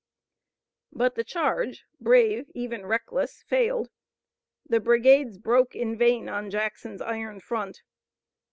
But the charge, brave, even reckless, failed. The brigades broke in vain on Jackson's iron front.